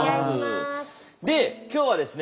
で今日はですね